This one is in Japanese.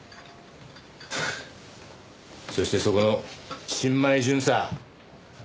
そしてそこの新米巡査。